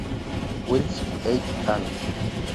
Wells et al.